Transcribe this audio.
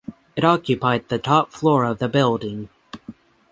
It occupied the top floor of the building.